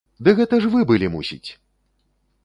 Ды гэта ж вы былі, мусіць!